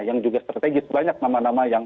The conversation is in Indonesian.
yang juga strategis banyak nama nama yang